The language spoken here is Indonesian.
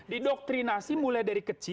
didoktrinasi mulai dari kecil